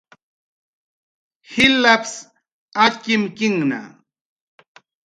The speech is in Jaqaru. jilapsa atyimkinhna